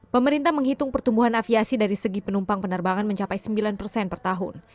pemerintah menghitung pertumbuhan aviasi dari segi penumpang penerbangan mencapai sembilan persen per tahun